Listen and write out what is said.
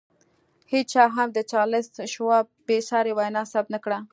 هېچا هم د چارلیس شواب بې ساري وینا ثبت نه کړه